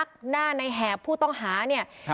ก็มีคนเห็นว่าในแหบมาพูดคุยอยู่กับน้องที่เสียชีวิต